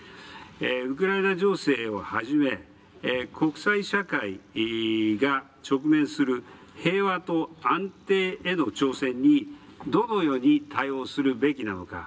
ウクライナ情勢をはじめ、国際社会が直面する平和と安定への挑戦にどのように対応するべきなのか。